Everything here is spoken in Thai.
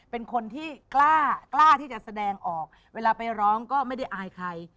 เป็นคนที่กล้าที่จะแสดงออกเวลาไปร้องก็ไม่ได้อายใคร